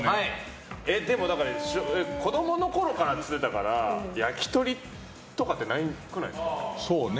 子供のころからって言ってたから焼き鳥とかってなくないですか。